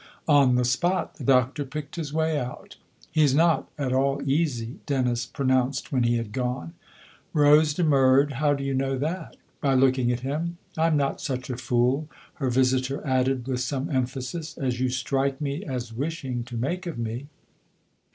" On the spot." The Doctor picked his way out. " He's not at all easy," Dennis pronounced when he had gone. 62 THE OTHER HOUSE Rose demurred. " How do you know that ?" "By looking at him. I'm not such a fool/' her visitor added with some emphasis, "as you strike me as wishing to make of me."